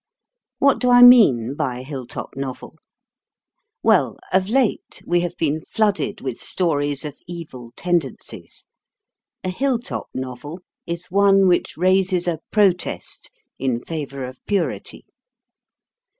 What do I mean by a Hill top Novel? Well, of late we have been flooded with stories of evil tendencies: a Hill top Novel is one which raises a protest in favour of purity.